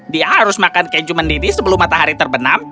dia harus makan keju mendidih sebelum matahari terbenam